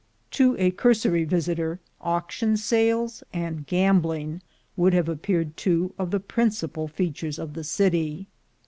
To a cursory visitor, auction sales and gambling would have appeared two of the principal features of the city.